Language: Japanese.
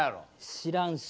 知らんし。